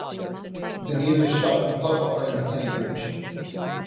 The nearest shop and pub are in Sennybridge.